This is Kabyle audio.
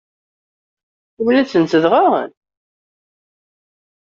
Umnen-tent dɣa?